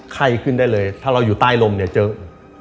ไข้ขึ้นได้เลยถ้าเราอยู่ใต้ลมเนี่ยเจอ